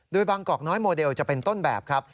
โดยบางกอกน้อยโมเดลจะเป็นต้นแบบครับ